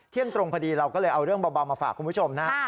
เที่ยงตรงพอดีเราก็เลยเอาเรื่องเบามาฝากคุณผู้ชมนะ